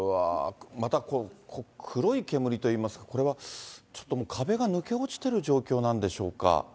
また黒い煙といいますか、これはちょっともう壁が抜け落ちてる状況なんでしょうか。